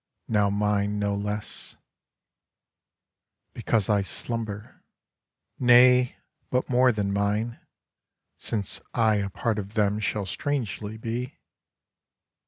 Now mine no less Because I slumber. Nay, but more than mine. Since I a part of them shall strangely be.